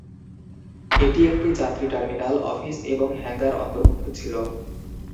এটি একটি যাত্রী টার্মিনাল, অফিস এবং হ্যাঙ্গার অন্তর্ভুক্ত ছিল।